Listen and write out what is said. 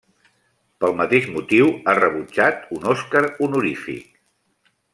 Pel mateix motiu, ha rebutjat un Oscar Honorífic.